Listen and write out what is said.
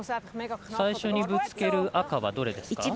最初にぶつける赤はどれですか？